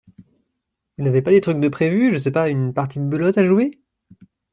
Vous n’avez pas des trucs de prévu, je sais pas, une partie de belote à jouer ?